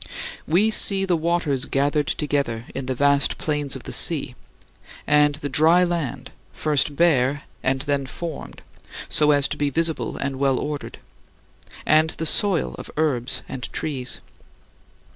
We see the waters gathered together in the vast plains of the sea; and the dry land, first bare and then formed, so as to be visible and well ordered; and the soil of herbs and trees.